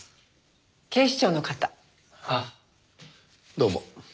どうも。